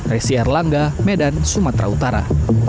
resier langga medan sumatera utara